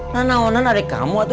nang awanan adik kamu atu